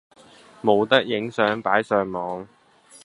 冇得影相擺上網